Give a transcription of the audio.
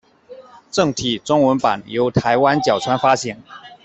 正体中文版由台湾角川发行。